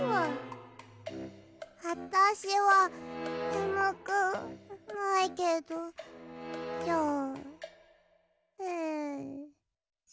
あたしはねむくないけどじゃあん。